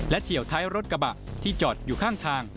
เฉียวท้ายรถกระบะที่จอดอยู่ข้างทาง